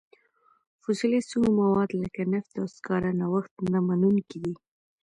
فسیلي سونګ مواد لکه نفت او سکاره نوښت نه منونکي دي.